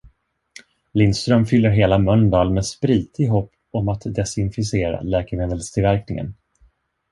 Lindström fyller hela Mölndal med sprit i hopp om att desinficera läkemedelstillverkningen.